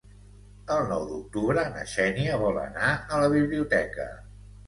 El nou d'octubre na Xènia vol anar a la biblioteca.